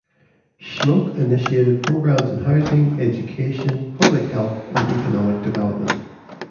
Schmoke initiated programs in housing, education, public health and economic development.